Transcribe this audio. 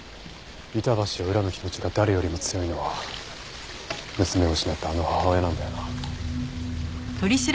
板橋を恨む気持ちが誰よりも強いのは娘を失ったあの母親なんだよな。